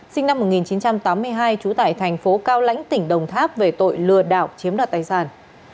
sinh năm một nghìn chín trăm tám mươi hai trú tại thành phố cao lãnh tp hcm về tội lừa đảo chiếm đoạt tài sản